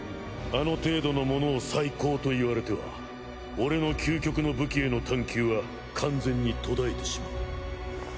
あの程度のものを最高と言われては俺の究極の武器への探求は完全に途絶えてしまう。